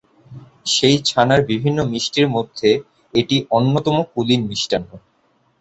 সেই ছানার বিভিন্ন মিষ্টির মধ্যে এটি অন্যতম কুলীন মিষ্টান্ন।